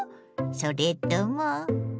それとも。